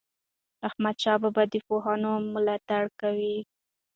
احمدشاه بابا د پوهانو ملاتړ کاوه.